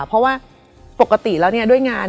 เพราะว่าปกติแล้วด้วยงาน